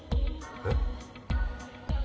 えっ？